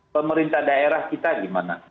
pemerintah daerah kita gimana